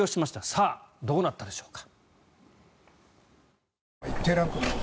さあ、どうなったでしょうか。